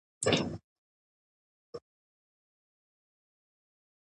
ایا نجونې پوهېږي چې زده کړه د ټولنیز پرمختګ سبب کېږي؟